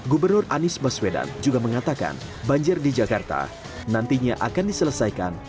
gubernur anies baswedan juga mengatakan banjir di jakarta nantinya akan diselesaikan